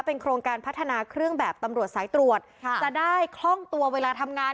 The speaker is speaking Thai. เป็นโครงการพัฒนาเครื่องแบบตำรวจสายตรวจค่ะจะได้คล่องตัวเวลาทำงาน